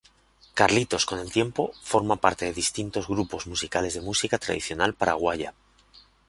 Carlitos, con el tiempo, forma parte de distintos grupos musicales de música tradicional paraguaya.